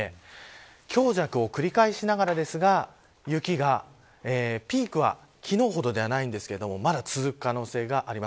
強弱を繰り返しながらですが雪が、ピークは昨日ほどではないんですが、まだ続く可能性があります。